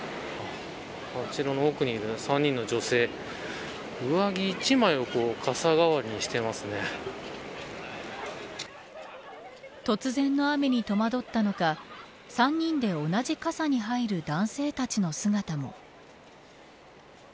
あちらの奥にいる３人の女性上着一枚を傘代突然の雨に戸惑ったのか３人で同じ傘に入る男性たちの姿も。